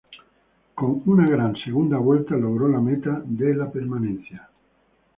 Con una gran segunda vuelta, logró la meta de la permanencia.